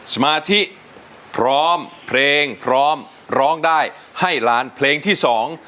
สมาธิพร้อมเพลงพร้อมร้องได้ให้ล้านเพลงที่สอง